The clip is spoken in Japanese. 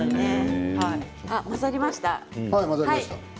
混ざりましたか。